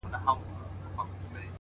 • فکر مي وران دی حافظه مي ورانه ؛